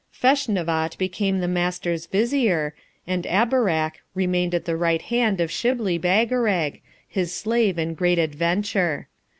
Feshnavat became the Master's Vizier, and Abarak remained at the right hand of Shibli Bagarag, his slave in great adventure.